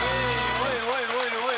おいおいおいおい。